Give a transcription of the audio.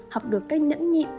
học được cách nhẫn nhị